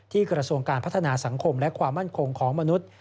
กระทรวงการพัฒนาสังคมและความมั่นคงของมนุษย์